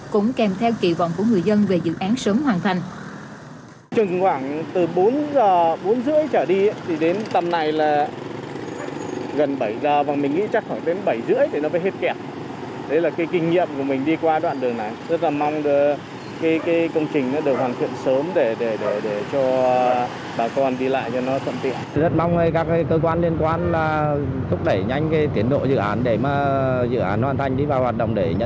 cũng kèm theo kỳ vọng của người dân về dự án sớm hoàn thành